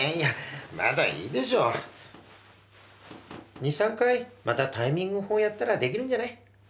２、３回またタイミング法やったらできるんじゃない？